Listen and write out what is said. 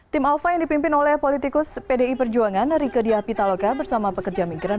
tim alfa yang dipimpin oleh politikus pdi perjuangan rike diapitaloka bersama pekerja migran